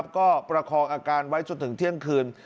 ก็ประคองอาการไว้จนถึงเที่ยงคืน